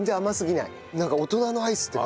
なんか大人のアイスって感じ。